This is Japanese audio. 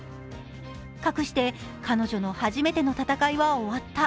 かくして彼女の初めての戦いは終わった。